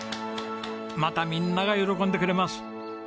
またみんなが喜んでくれます。